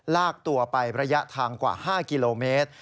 ลากตัวไประยะทางกว่า๕กิโลเมตร